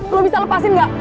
lu bisa lepasin gak